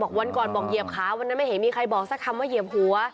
วันก่อนบอกเหยียบขาวันนั้นไม่เห็นมีใครบอกสักคำว่าเหยียบหัว